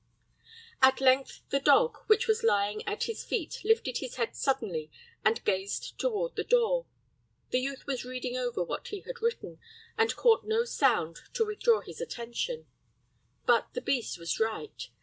At length the dog which was lying at his feet lifted his head suddenly and gazed toward the door. The youth was reading over what he had written, and caught no sound to withdraw his attention; but the beast was right.